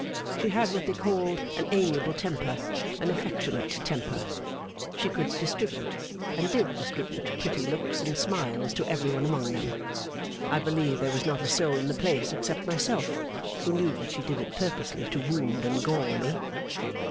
She had what they called an amiable temper, an affectionate temper. She could distribute, and did distribute pretty looks and smiles to every one among them. I believe there was not a soul in the place, except myself, who knew that she did it purposely to wound and gall me!